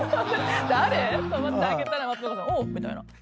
誰？と思って開けたら松岡さん「おう」みたいな。